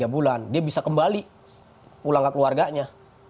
tiga bulan dia bisa kembali pulang ke keluarganya